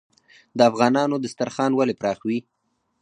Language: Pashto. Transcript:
د افغانانو دسترخان ولې پراخ وي؟